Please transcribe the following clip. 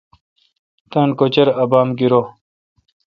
تان کوچر ابام گیرو۔